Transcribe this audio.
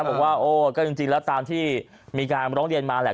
บอกว่าโอ้ก็จริงแล้วตามที่มีการร้องเรียนมาแหละ